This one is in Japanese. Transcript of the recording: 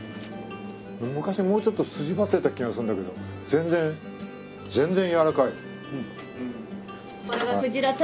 昔もうちょっと筋張ってた気がするんだけど全然全然やわらかい。